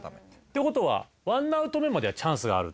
という事は１アウト目まではチャンスがあるって。